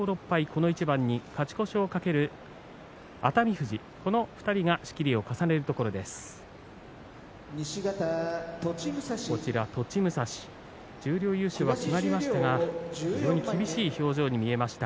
この一番に勝ち越しを懸ける熱海富士２人が仕切りを重ねています。